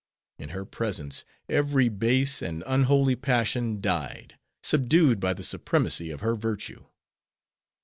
In her presence every base and unholy passion died, subdued by the supremacy of her virtue."